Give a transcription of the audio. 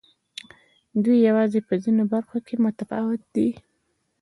دوی یوازې په ځینو برخو کې متفاوت دي.